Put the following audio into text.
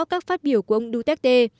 các phát biểu của ông duterte